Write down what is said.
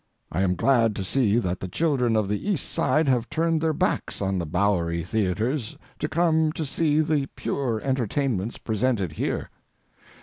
I am glad to see that the children of the East Side have turned their backs on the Bowery theatres to come to see the pure entertainments presented here.